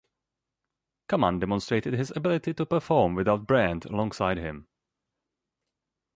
Kaman demonstrated his ability to perform without Brand alongside him.